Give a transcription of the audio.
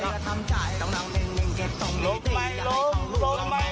ลงไปลงนะลงไปลงลงไปลงรู้จะตาย